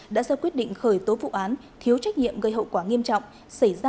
đã ra quyết định khởi tố vụ án thiếu trách nhiệm gây hậu quả nghiêm trọng xảy ra